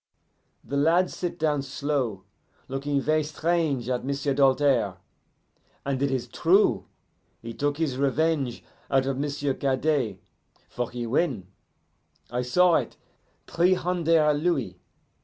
The lad sit down slow, looking ver' strange at M'sieu' Doltaire. And it is true: he took his revenge out of M'sieu' Cadet, for he win I saw it three hunder' louis.